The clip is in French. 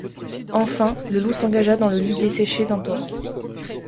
Enfin, le loup s’engagea dans le lit desséché d’un torrent.